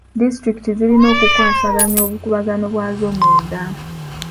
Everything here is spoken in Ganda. Disitulikiti zirina okukwasaganya obukuubagano bwazo munda.